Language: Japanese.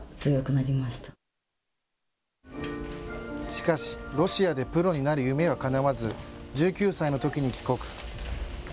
しかしロシアでプロとなる夢はかなわず１９歳のときに帰国。